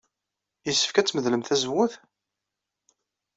Yessefk ad tmedlem tazewwut?